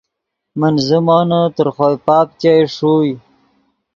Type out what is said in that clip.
من زیمونے تر خوئے پاپ ګئے ݰوئے